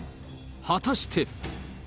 果たして。